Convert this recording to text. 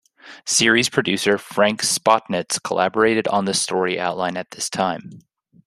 Series producer Frank Spotnitz collaborated on the story outline at this time.